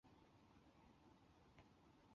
麦氏波鱼为鲤科波鱼属的鱼类。